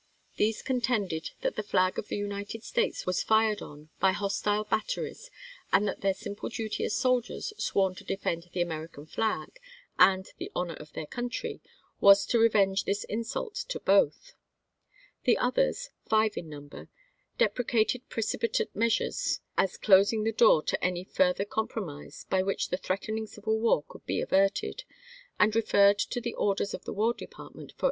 These contended that the flag of the United States was fired on by hostile batteries, and that their simple duty as soldiers sworn to defend the Ameri 106 ABEAHAM LINCOLN chap. vin. can flag and the honor of their country, was to revenge this insult to both. The others, five in number, deprecated precipitate measures as clos ing the door to any further compromise by which porttotiuj the threatening civil war could be averted, and oii't'hecon referred to the orders of the War Department for duct of the .,..„ war.